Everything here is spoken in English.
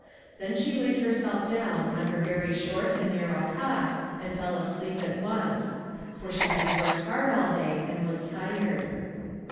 Then she laid her self down on her very short and narrow cot and fell asleep at once ; for she had worked hard all day and was tired.